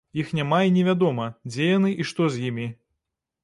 Іх няма і невядома, дзе яны і што з імі.